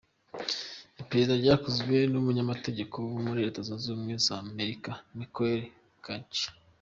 Iperereza ryakozwe n'umunyamategeko wo muri Leta Zunze Ubumwe za Amerika, Michael Garcia.